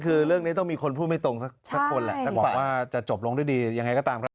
คือเรื่องนี้ต้องมีคนพูดไม่ตรงสักคนแหละแต่บอกว่าจะจบลงด้วยดียังไงก็ตามครับ